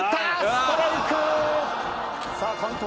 ストライク。